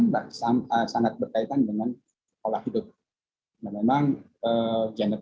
belum diabetes belum di diabetes